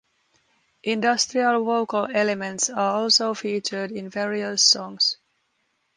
Industrial vocal elements are also featured in various songs.